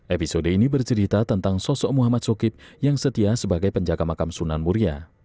episode ini bercerita tentang sosok muhammad sokib yang setia sebagai penjaga makam sunan muria